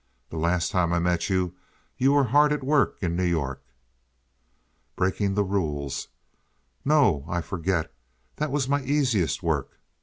"The last time I met you you were hard at work in New York." "Breaking the rules. No, I forget; that was my easiest work.